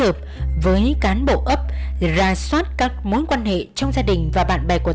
ông vũ này hiện tại là ở đâu